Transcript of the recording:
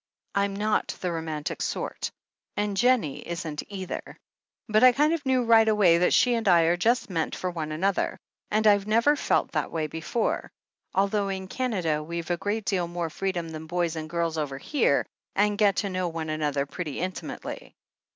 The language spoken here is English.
"I'm not the romantic sort, and Jennie isn't either. But I kind of knew right away that she and I are just meant for one another, and I've never felt that way before, although in Canada we've a great deal more freedom than boys and girls over here, and get to know one another pretty intimately."